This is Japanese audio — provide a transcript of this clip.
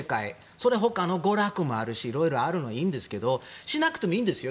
その他の娯楽がいろいろあるのはいいんですけどしなくてもいいんですよ